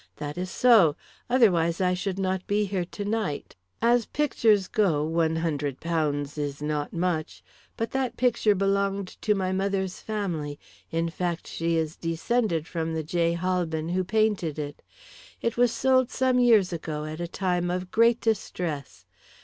"That is so. Otherwise I should not be here tonight. As pictures go, £100 is not much. But that picture belonged to my mother's family in fact, she is descended from the J. Halbin who painted it. It was sold some years ago at a time of great distress.